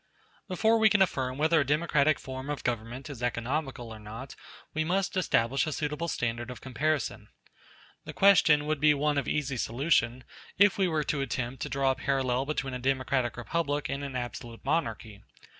Before we can affirm whether a democratic form of government is economical or not, we must establish a suitable standard of comparison. The question would be one of easy solution if we were to attempt to draw a parallel between a democratic republic and an absolute monarchy.